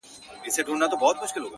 د سهار باده تازه نسیمه -